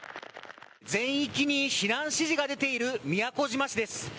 全域に避難指示が出ている宮古島市です。